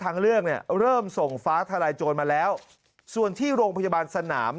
ทางเลือกเนี่ยเริ่มส่งฟ้าทลายโจรมาแล้วส่วนที่โรงพยาบาลสนาม